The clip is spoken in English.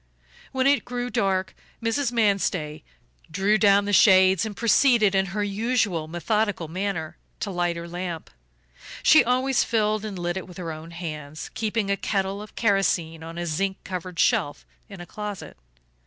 When it grew dark Mrs. Manstey drew down the shades and proceeded, in her usual methodical manner, to light her lamp. She always filled and lit it with her own hands, keeping a kettle of kerosene on a zinc covered shelf in a closet.